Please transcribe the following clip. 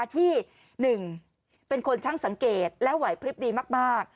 ที่๑เป็นคนช่างสังเกตและไหวพลิบดีมาก